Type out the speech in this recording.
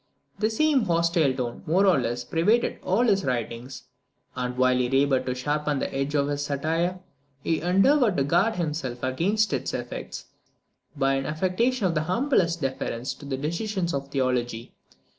The same hostile tone, more or less, pervaded all his writings, and, while he laboured to sharpen the edge of his satire, he endeavoured to guard himself against its effects, by an affectation of the humblest deference to the decisions of theology.